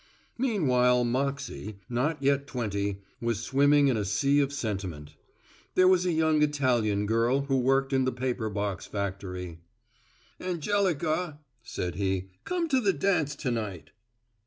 Meanwhile Moxey, not yet twenty, was swimming in a sea of sentiment. There was a young Italian girl who worked in the paper box factory. "Angelica," said he, "come to the dance to night."